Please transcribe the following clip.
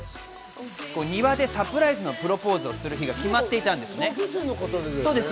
庭でサプライズのプロポーズをする日が決まっていたんです。